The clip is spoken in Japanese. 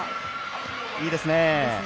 いいですね。